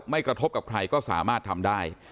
กระทบกับใครก็สามารถทำได้